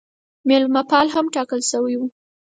مېلمه پال هم ټاکل سوی وو.